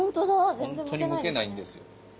本当にむけないんですよ。